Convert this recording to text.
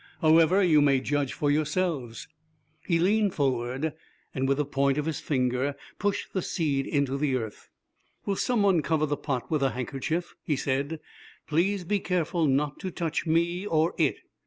However, you may judge for yourselves." He leaned forward, and with the point of his finger pushed the seed into the earth. "Will some one cover the pot with a handkerchief?" he said. "Please be careful not to touch me or it.